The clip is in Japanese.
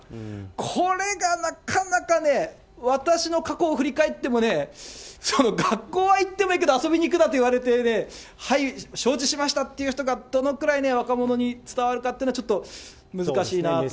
これがなかなかね、私の過去を振り返ってもね、学校は行ってもいいけど遊びに行くなと言われてね、はい、承知しましたっていう人が、どのくらい若者に伝わるかっていうのは、ちょっと難しいなと。